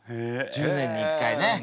１０年に１回ね。